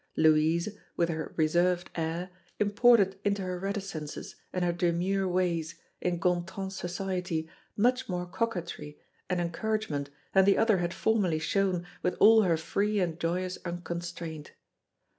Louise, with her reserved air, imported into her reticences and her demure ways in Gontran's society much more coquetry and encouragement than the other had formerly shown with all her free and joyous unconstraint.